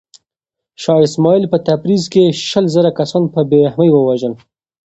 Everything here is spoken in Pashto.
شاه اسماعیل په تبریز کې شل زره کسان په بې رحمۍ ووژل.